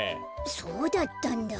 そうだったんだ。